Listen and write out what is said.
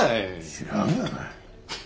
知らんがな。